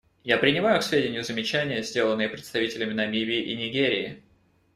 Я принимаю к сведению замечания, сделанные представителями Намибии и Нигерии.